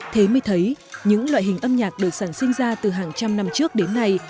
thế mới thấy những loại hình âm nhạc được sản sinh ra từ hàng trăm năm trước đến nay